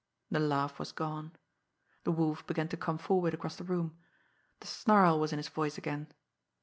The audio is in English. The laugh was gone. The Wolf began to come forward across the room. The snarl was in his voice again.